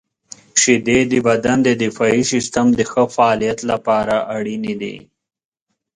• شیدې د بدن د دفاعي سیستم د ښه فعالیت لپاره اړینې دي.